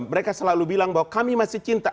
mereka selalu bilang bahwa kami masih cinta